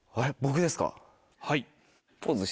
はい。